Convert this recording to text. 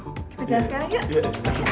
kita jalan sekarang yuk